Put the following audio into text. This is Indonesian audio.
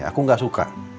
aku gak suka